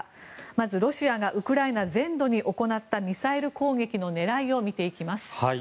まずロシアがウクライナ全土に行ったミサイル攻撃の狙いを見ていきます。